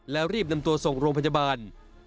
แล้วรีบนำตัวส่งโรงพยาบาล